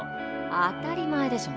当たり前でしょ。